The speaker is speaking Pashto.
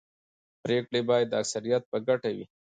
پرېکړې باید د اکثریت په ګټه وي